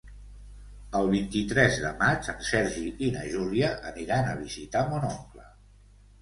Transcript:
El vint-i-tres de maig en Sergi i na Júlia aniran a visitar mon oncle.